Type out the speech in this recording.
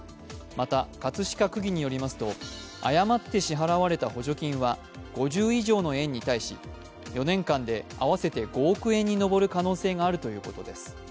また、葛飾区議によりますと誤って支払われた補助金は５０以上の園に対し４年間で合わせて５億円に上る可能性があるということです。